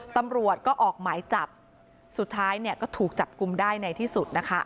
ตำรวจก็ออกหมายจับสุดท้ายเนี่ยก็ถูกจับกลุ่มได้ในที่สุดนะคะ